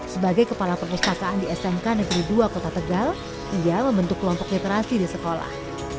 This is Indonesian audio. sebagai kepala perpustakaan di smk negeri dua kota tegal ia membentuk kelompok literasi di sekolah